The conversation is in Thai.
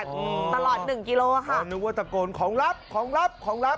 อืมตลอดหนึ่งกิโลอ่ะค่ะนึกว่าตะโกนของลับของลับของลับ